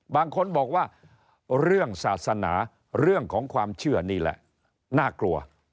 บางคนบอกว่าเรื่องศาสนาเรื่องของความเชื่อนี่แหละน่ากลัว